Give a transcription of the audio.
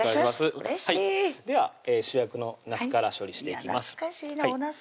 うれしい主役のなすから処理していきます